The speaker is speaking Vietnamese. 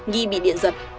ghi bị điện giật